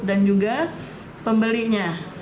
dan juga pembelinya